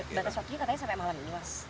batas waktunya katanya sampai malam ini mas